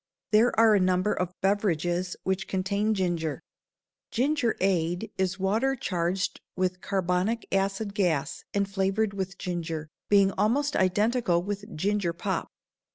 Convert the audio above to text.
There are a number of beverages which contain ginger. Gingerade is water charged with carbonic acid gas and flavored with ginger, being almost identical with ginger pop.